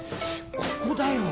ここだよ。